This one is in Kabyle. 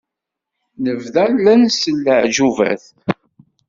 Nebda la nsel leԑğubat.